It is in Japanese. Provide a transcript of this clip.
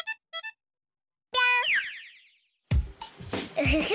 ウフフ。